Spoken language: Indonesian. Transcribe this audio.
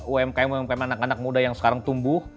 umkm umkm anak anak muda yang sekarang tumbuh